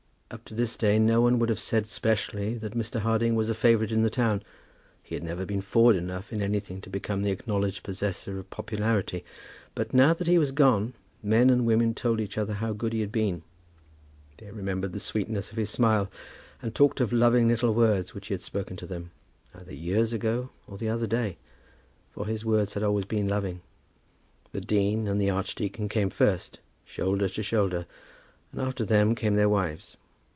Up to this day no one would have said specially that Mr. Harding was a favourite in the town. He had never been forward enough in anything to become the acknowledged possessor of popularity. But, now that he was gone, men and women told each other how good he had been. They remembered the sweetness of his smile, and talked of loving little words which he had spoken to them, either years ago or the other day, for his words had always been loving. The dean and the archdeacon came first, shoulder to shoulder, and after them came their wives.